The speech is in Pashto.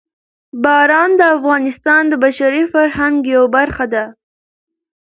باران د افغانستان د بشري فرهنګ یوه برخه ده.